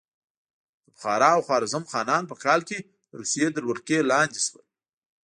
د بخارا او خوارزم خانان په کال کې د روسیې تر ولکې لاندې شول.